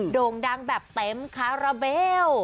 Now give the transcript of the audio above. โด่งดังแบบเต็มคาราเบล